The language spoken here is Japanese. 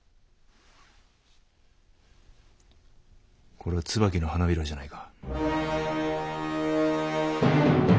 これは椿の花びらじゃないか。